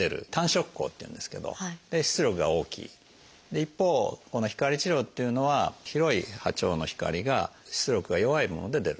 一方この光治療っていうのは広い波長の光が出力が弱いもので出るんですね。